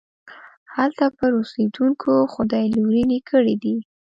هلته پر اوسېدونکو خدای لورينې کړي دي.